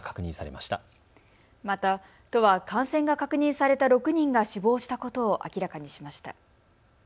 また都は感染が確認された６人が死亡したことを明らかにしました。